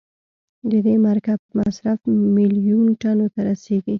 د دې مرکب مصرف میلیون ټنو ته رسیږي.